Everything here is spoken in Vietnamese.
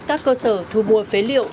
các cơ sở thu mua phế liệu